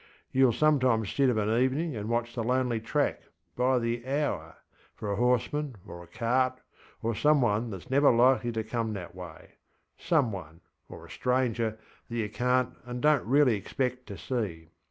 YouŌĆÖll sometimes sit of an evening and watch the lonely track, by the hour, for a horseman or a cart or some one thatŌĆÖs never likely to come that wayŌĆösome one, or a stranger, that you canŌĆÖt and donŌĆÖt really expect to see.